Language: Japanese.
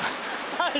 はい。